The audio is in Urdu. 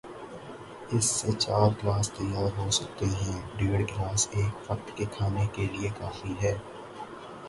اس سے چار گلاس تیار ہوسکتے ہیں، ڈیڑھ گلاس ایک وقت کے کھانے کے لئے کافی ہیں۔